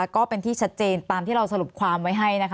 ก็เป็นที่ชัดเจนตามที่เราสรุปความไว้ให้นะคะ